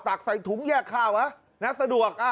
ตักใส่ถุงแยกข้าววะสะดวก